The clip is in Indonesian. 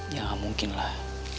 ya gak mungkin lah